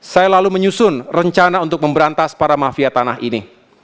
saya lalu menyusun rencana untuk memberantas para mafia tanah ini